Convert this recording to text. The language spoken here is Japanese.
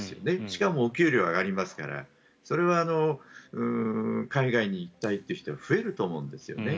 しかも、お給料が上がりますからそれは海外に行きたいという人が増えると思うんですよね。